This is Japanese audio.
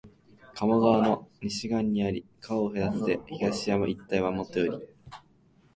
加茂川の西岸にあり、川を隔てて東山一帯はもとより、